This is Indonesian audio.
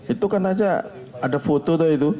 itu kan aja ada foto